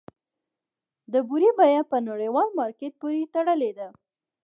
د بورې بیه په نړیوال مارکیټ پورې تړلې ده؟